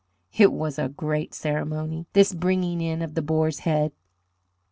It was a great ceremony this bringing in of the boar's head.